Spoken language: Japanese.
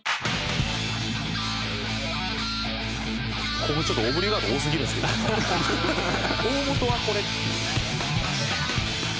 「これちょっとオブリガート多すぎるんですけど大本はこれ」